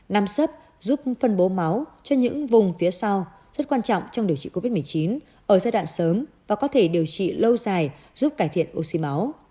năm sấp giúp phân bố máu cho những vùng phía sau rất quan trọng trong điều trị covid một mươi chín ở giai đoạn sớm và có thể điều trị lâu dài giúp cải thiện oxy máu